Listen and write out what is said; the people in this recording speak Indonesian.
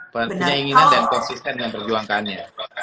penyanyi yang konsisten dan berjuangkan ya